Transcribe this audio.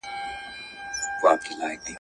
که سوله نه وي نو پرمختګ نسي راتلای.